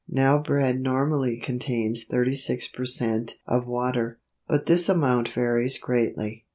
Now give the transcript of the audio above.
Now bread normally contains 36 per cent. of water, but this amount varies greatly.